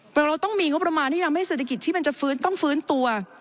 เราต้องมีงบประมาณที่ทำให้เศรษฐกิจที่มันจะฟื้นต้องฟื้นตัว